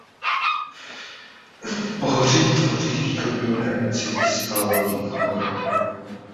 Pohoří tvoří východní hranici Skalnatých hor.